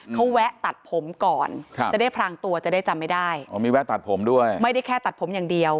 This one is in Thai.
เขาแวะตัดผมก่อนครับจะได้พรางตัวจะได้จำไม่ได้อ๋อมีแวะตัดผมด้วยไม่ได้แค่ตัดผมอย่างเดียว